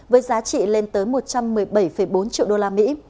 với giá trị lên tới một trăm một mươi bảy bốn triệu usd